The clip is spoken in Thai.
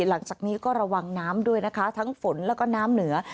หลังจากนี้ก็ระวังน้ำด้วยนะคะทั้งฝนแล้วก็น้ำเหนือ